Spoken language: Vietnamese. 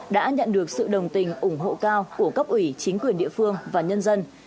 đã nhận được sự đồng tình ủng hộ cao của cấp ủy chính quyền địa phương và nhân dân